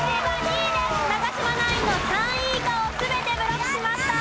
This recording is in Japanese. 長嶋ナインの３位以下を全てブロックしました。